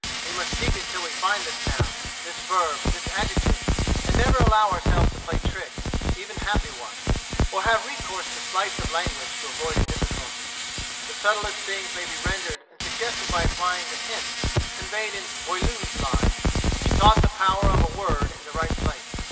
We must seek till we find this noun, this verb, this adjective, and never allow ourselves to play tricks, even happy ones, or have recourse to sleights of language to avoid a difficulty. The subtlest things may be rendered and suggested by applying the hint conveyed in Boileau's line, 'He taught the power of a word in the right place.'"